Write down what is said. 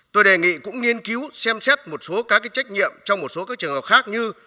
tôi đề nghị cũng nghiên cứu xem xét một số các trách nhiệm trong một số các trường hợp khác như